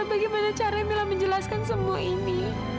bagaimana cara mila menjelaskan semua ini